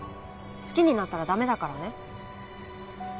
好きになったら駄目だからね。